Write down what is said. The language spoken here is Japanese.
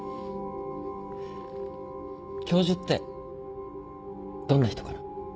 教授ってどんな人かな？